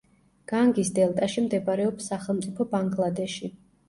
განგის დელტაში მდებარეობს სახელმწიფო ბანგლადეში.